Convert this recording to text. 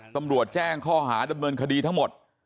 ตำรวจแจ้งข้อหาดำเนินคดีทั้งหมด